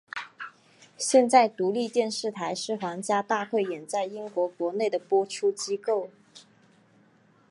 现在独立电视台是皇家大汇演在英国国内的播出机构。